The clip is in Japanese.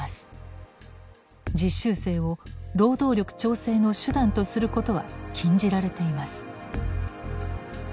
実習生を労働力調整の手段とすることは禁じられています。